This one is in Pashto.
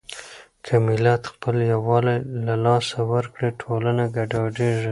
که ملت خپل يووالی له لاسه ورکړي، ټولنه ګډوډېږي.